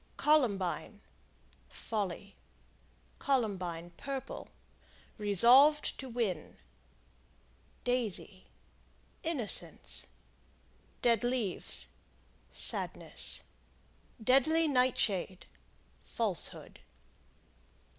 Columbine Folly. Columbine, Purple Resolved to win. Daisy Innocence. Dead Leaves Sadness. Deadly Nightshade Falsehood.